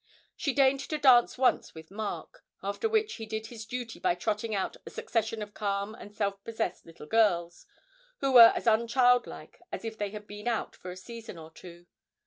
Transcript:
She deigned to dance once with Mark, after which he did his duty by trotting out a succession of calm and self possessed little girls, who were as unchildlike as if they had been out for a season or two.